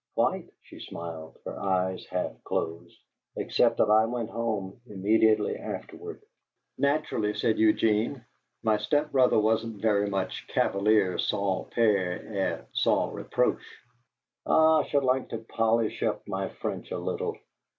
"Quite!" she smiled, her eyes half closed. "Except that I went home immediately afterward." "Naturally," said Eugene. "My step brother wasn't very much chevalier sans peur et sans reproche! Ah, I should like to polish up my French a little.